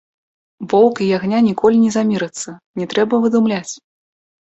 Воўк і ягня ніколі не замірацца, не трэба выдумляць!